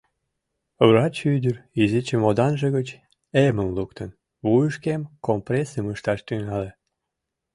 Врач ӱдыр, изи чемоданже гыч эмым луктын, вуйышкем компрессым ышташ тӱҥале.